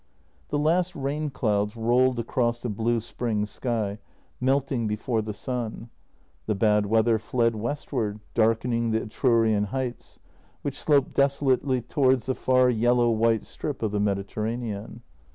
The last rain clouds rolled across the blue spring sky, melt ing before the sun; the bad weather fled westward, darkening the Etrurian heights, which sloped desolately towards the far yellow white strip of the Mediterranean.